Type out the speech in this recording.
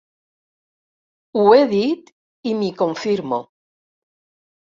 Ho he dit i m'hi confirmo.